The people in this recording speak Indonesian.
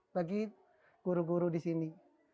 bagi guru guru di sini